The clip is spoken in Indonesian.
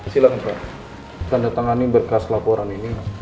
silakan pak anda tangani berkas laporan ini